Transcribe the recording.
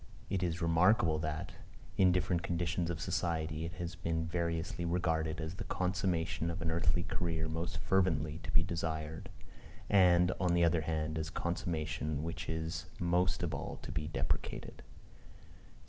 It is remarkable that, in different conditions of society it has been variously regarded as the consummation of an earthly career most fervently to be desired, and, on the other hand, as that consummation which is most of all to be deprecated.